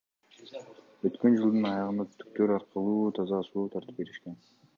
Өткөн жылдын аягында түтүктөр аркылуу таза суу тартып беришкен.